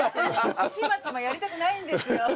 チマチマやりたくないんですよ。